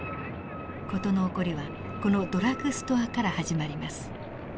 事の起こりはこのドラッグストアから始まります。